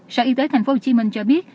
sở y tế tp hcm cho biết